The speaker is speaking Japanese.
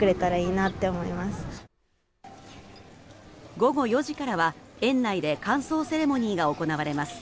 午後４時からは園内で歓送セレモニーが行われます。